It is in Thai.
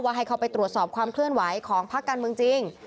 ให้เข้าไปตรวจสอบความเคลื่อนไหวของพักการเมืองจริง